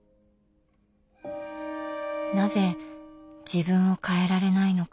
なぜ自分を変えられないのか。